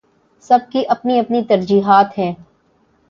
سب کی اپنی اپنی ترجیحات ہیں۔